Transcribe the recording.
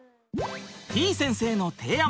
てぃ先生の提案